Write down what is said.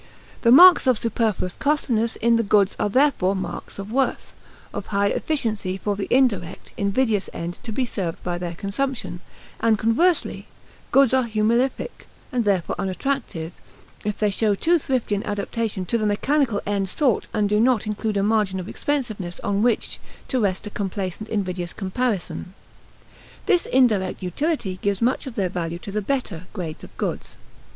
The marks of superfluous costliness in the goods are therefore marks of worth of high efficency for the indirect, invidious end to be served by their consumption; and conversely, goods are humilific, and therefore unattractive, if they show too thrifty an adaptation to the mechanical end sought and do not include a margin of expensiveness on which to rest a complacent invidious comparison. This indirect utility gives much of their value to the "better" grades of goods.